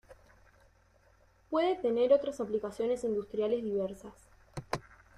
Puede tener otras aplicaciones industriales diversas.